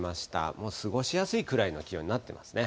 もう過ごしやすいぐらいの気温になってますね。